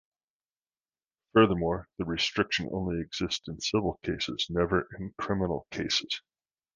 Furthermore, the restriction only exists in civil cases, never in criminal cases.